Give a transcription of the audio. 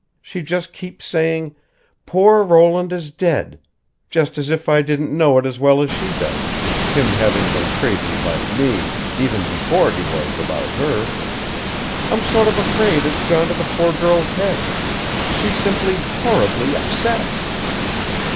She just keeps saying, 'Poor Roland is dead,' just as if I didn't know it as well as she does him having been crazy about me even before he was about her. I'm sort of afraid it's gone to the poor girl's head. She's simply horribly upset!"